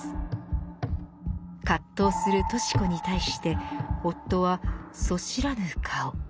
葛藤するとし子に対して夫はそしらぬ顔。